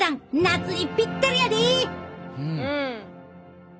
夏にぴったりやで。